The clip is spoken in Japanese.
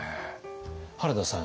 原田さん